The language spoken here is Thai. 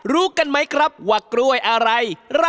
รู้กันไหมครับว่ากล้วยอะไร